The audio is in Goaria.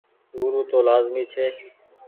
گورو تو لآزمي ڇي۔